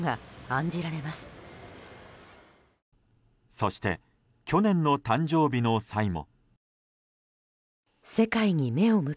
そして去年の誕生日の際も。